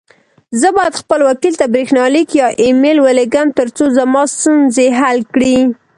زه بايد خپل وکيل ته بريښناليک يا اى ميل وليږم، ترڅو زما ستونزي حل کړې.